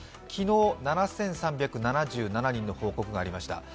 昨日７３７７人の報告がありました。